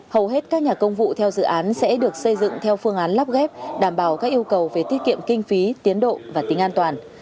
hầu hết các nhà công vụ theo dự án sẽ được xây dựng theo phương án lắp ghép đảm bảo các yêu cầu về tiết kiệm kinh phí tiến độ và tính an toàn